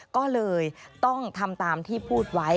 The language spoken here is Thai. ก็เลยต้องทำตามที่พูดไว้